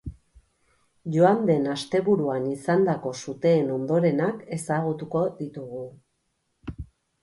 Joan den asteburuan izandako suteen ondorenak ezagutuko ditugu.